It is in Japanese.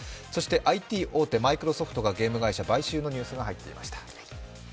そしてＩＴ大手マイクロソフトがゲーム会社買収のニュースが入っていました。